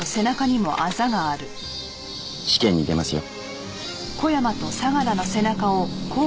試験に出ますよ。